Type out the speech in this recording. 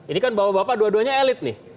ini kan bapak dua duanya elit nih